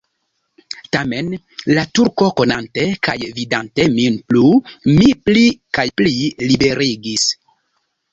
Tamen, la Turko konante kaj vidante min plu, min pli kaj pli liberigis.